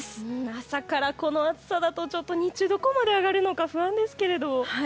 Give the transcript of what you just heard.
朝から、この暑さだと日中、どこまで上がるのか不安ですけれど。